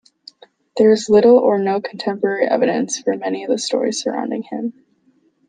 There is little or no contemporary evidence for many of the stories surrounding him.